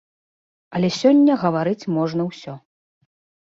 Але сёння гаварыць можна ўсё.